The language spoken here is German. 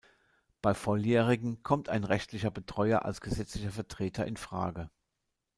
Bei Volljährigen kommt ein rechtlicher Betreuer als gesetzlicher Vertreter in Frage.